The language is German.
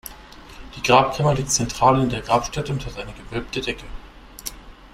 Die Grabkammer liegt zentral in der Grabstätte und hat eine gewölbte Decke.